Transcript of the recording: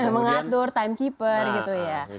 mengatur timekeeper gitu ya